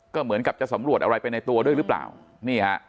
ก็เหมือนกับจะสำรวจอะไรไปในตัวด้วยหรือเปล่านี่ฮะ